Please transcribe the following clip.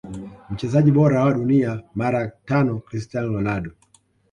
Mchezaji bora wa dunia mara tano Cristiano Ronaldo